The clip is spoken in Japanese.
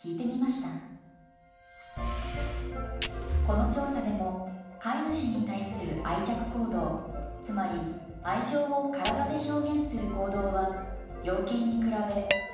この調査でも飼い主に対する愛着行動つまり愛情を体で表現する行動は洋犬に比べ柴犬の方が少ないという結果でした。